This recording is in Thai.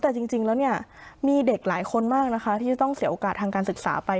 แต่จริงแล้วเนี่ยมีเด็กหลายคนมากนะคะที่จะต้องเสียโอกาสทางการศึกษาไป